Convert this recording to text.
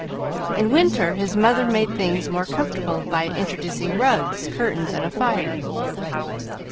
In winter his mother made things more comfortable by introducing rugs, curtains, and a fire.